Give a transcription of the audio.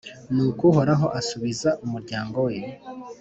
Nuko Uhoraho asubiza umuryango we